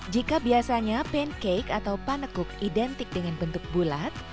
jika biasanya pancake atau panekuk identik dengan bentuk bulat